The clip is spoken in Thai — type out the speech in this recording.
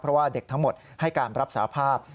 เพราะว่าเด็กทั้งหมดให้การรับสาภาพ